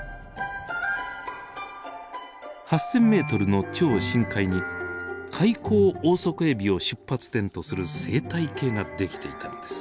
８，０００ｍの超深海にカイコウオオソコエビを出発点とする生態系が出来ていたのです。